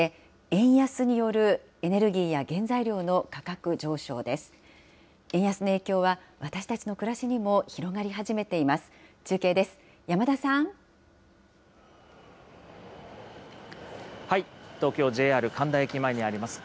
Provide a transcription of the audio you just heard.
円安の影響は、私たちの暮らしにも広がり始めています。